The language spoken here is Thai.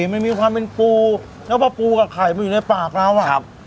มันมีความเป็นปูแล้วพอปูกับไข่มาอยู่ในปากเราอ่ะครับ